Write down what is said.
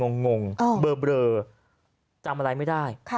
งงเบลอจำอะไรไม่ได้